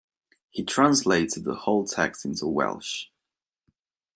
He translated the whole text into Welsh.